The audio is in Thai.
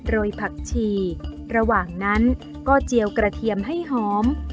ผักชีระหว่างนั้นก็เจียวกระเทียมให้หอม